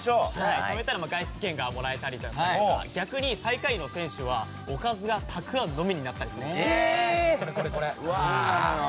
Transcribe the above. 決めたら、もらえたりとか逆に最下位の選手はおかずがたくあんのみになったりするんです。